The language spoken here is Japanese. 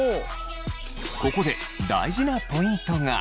ここで大事なポイントが！